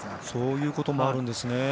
そういうこともあるんですね。